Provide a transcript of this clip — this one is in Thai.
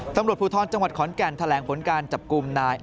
ตำรวจภูทรจังหวัดขอนแก่นแถลงผลการจับกลุ่มนาย